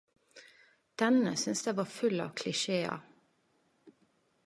Denne syns eg var full av klisjear.